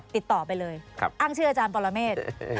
ติดต่อไปเลยอ้างชื่ออาจารย์ปรเมฆ